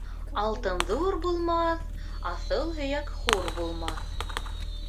Алтын ҙур булмаҫ, аҫыл һөйәк хур булмаҫ.